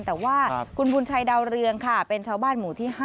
แต่ว่าคุณบุญชัยดาวเรืองค่ะเป็นชาวบ้านหมู่ที่๕